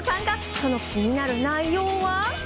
その気になる内容は？